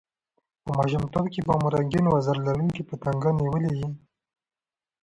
په ماشومتوب کښي به مو رنګین وزر لرونکي پتنګان نیولي يي!